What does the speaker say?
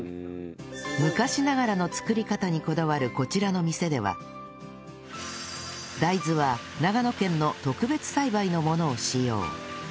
昔ながらの作り方にこだわるこちらの店では大豆は長野県の特別栽培のものを使用